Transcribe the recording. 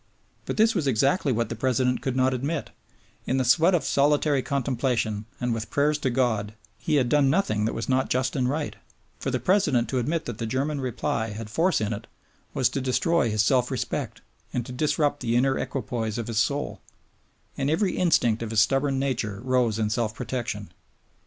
But this was exactly what the President could not admit; in the sweat of solitary contemplation and with prayers to God he had done nothing that was not just and right; for the President to admit that the German reply had force in it was to destroy his self respect and to disrupt the inner equipoise of his soul; and every instinct of his stubborn nature rose in self protection.